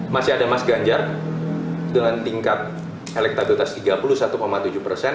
masih ada mas ganjar dengan tingkat elektabilitas tiga puluh satu tujuh persen